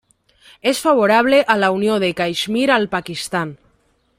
És favorable a la unió de Caixmir al Pakistan.